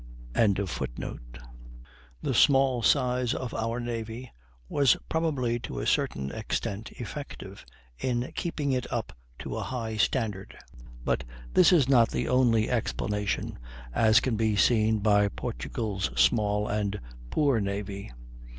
"] The small size of our navy was probably to a certain extent effective in keeping it up to a high standard; but this is not the only explanation, as can be seen by Portugal's small and poor navy.